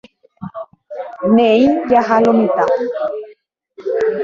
Néi, jaha lo mitã.